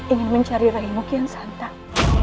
ingin mencari raimu kian santang